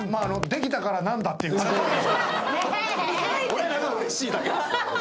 俺らがうれしいだけですよ。